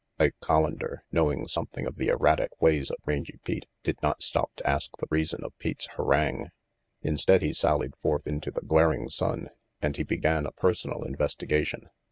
Ike Collander, knowing something of the erratic ways of Rangy Pete, did not stop to ask the reason of Pete's harangue. Instead, he sallied forth into the glaring sun and he began a personal investigation.